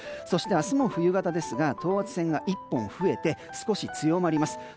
そして、明日も冬型ですが等圧線が１本増えて少し強まります。